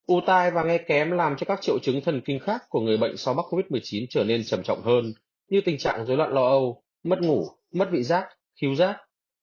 u tai và nghe kém làm cho các triệu chứng thần kinh khác của người bệnh sau mắc covid một mươi chín trở nên trầm trọng hơn như tình trạng dối loạn lo âu mất ngủ mất vị giác khiêu rác